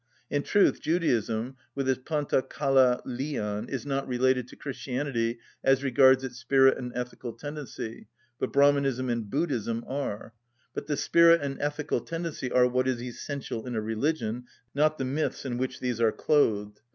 In truth, Judaism, with its παντα καλα λιαν, is not related to Christianity as regards its spirit and ethical tendency, but Brahmanism and Buddhism are. But the spirit and ethical tendency are what is essential in a religion, not the myths in which these are clothed.